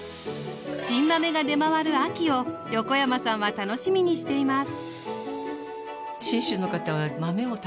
新豆が出回る秋を横山さんは楽しみにしています